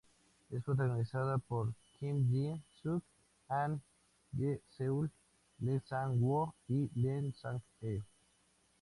Es protagonizada por Kim Ji Suk, Han Ye-seul, Lee Sang-woo y Lee Sang-hee.